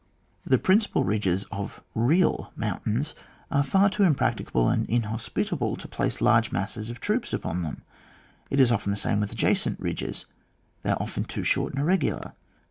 131 The principal ridges of real mountains are far too impracticable and inhospitable to place large masses of troops upon them ; it is often the same with the adjacent ndgesy they are often too short and irre gular.